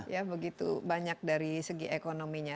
ya begitu banyak dari segi ekonominya